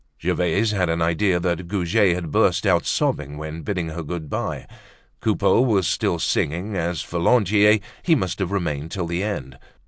Gervaise had an idea that Goujet had burst out sobbing when bidding her good bye; Coupeau was still singing; and as for Lantier, he must have remained till the end.